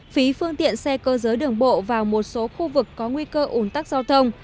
phí phương tiện xe cơ giới đường bộ vào một số khu vực có nguy cơ ủn tắc giao thông